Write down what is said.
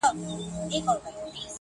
اوس هغه خلک هم لوڅي پښې روان دي!